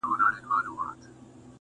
مېلمه چې راله خوا له خپل نصیب سره راځي